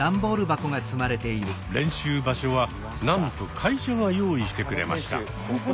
練習場所はなんと会社が用意してくれました。